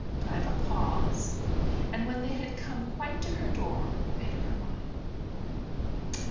Diva paused, and, when they had come quite to her door, made up her mind.